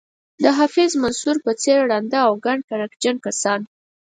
د حفیظ منصور په څېر ړانده او کڼ کرکجن کسان.